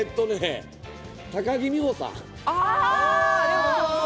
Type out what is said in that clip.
高木美保さん。